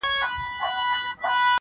نا آشنا سور ته مو ستونی نه سمیږي -